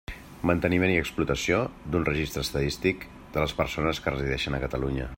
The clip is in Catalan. Manteniment i explotació d'un registre estadístic de les persones que resideixen a Catalunya.